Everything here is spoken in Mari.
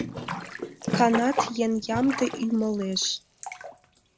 Канат еҥ ямде ӱмылеш...